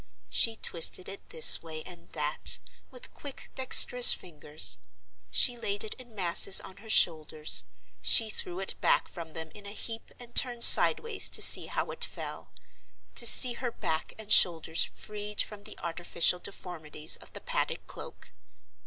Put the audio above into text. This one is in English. She twisted it this way and that, with quick, dexterous fingers; she laid it in masses on her shoulders; she threw it back from them in a heap and turned sidewise to see how it fell—to see her back and shoulders freed from the artificial deformities of the padded cloak.